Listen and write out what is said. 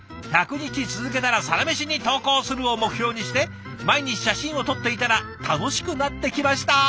１００日続けたら『サラメシ』に投稿するを目標にして毎日写真を撮っていたら楽しくなってきました」。